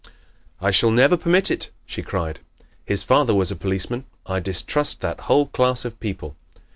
"I shall never permit it!" she cried. "His father was a policeman. I distrust that whole class of people!